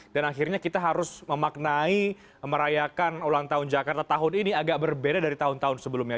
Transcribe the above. dan akhirnya kita harus memaknai merayakan ulang tahun jakarta tahun ini agak berbeda dari tahun tahun sebelumnya